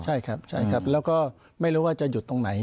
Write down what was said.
ใช่ครับใช่ครับแล้วก็ไม่รู้ว่าจะหยุดตรงไหน